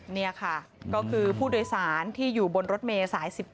นี่ค่ะก็คือผู้โดยสารที่อยู่บนรถเมย์สาย๑๙